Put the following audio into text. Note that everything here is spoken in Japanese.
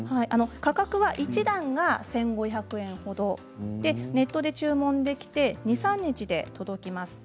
価格は１段１５００円でネットで注文できて２、３日で届きます。